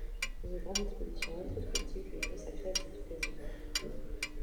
Une grande exposition rétrospective lui est consacré à cette occasion.